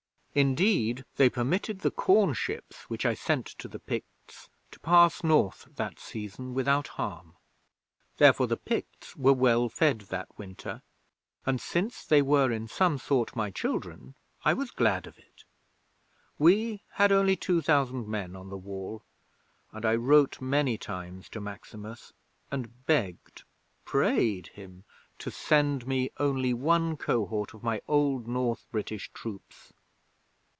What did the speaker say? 'Indeed, they permitted the corn ships which I sent to the Picts to pass North that season without harm. Therefore the Picts were well fed that winter, and since they were in some sort my children, I was glad of it. We had only two thousand men on the Wall, and I wrote many times to Maximus and begged prayed him to send me only one cohort of my old North British troops.